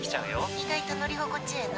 意外と乗り心地ええな。